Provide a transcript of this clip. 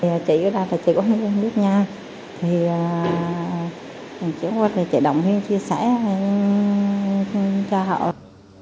chị ở đây là chị có nguồn nước nha thì chị hoa thì chị đồng ý chia sẻ cho họ